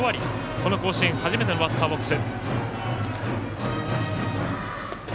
この甲子園初めてのバッターボックス。